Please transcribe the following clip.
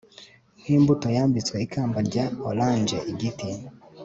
Nkimbuto yambitswe ikamba rya orangeigiti